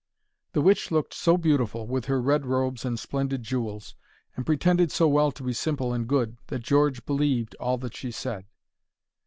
The witch looked so beautiful, with her red robes and splendid jewels, and pretended so well to be simple and good, that George believed all that she said.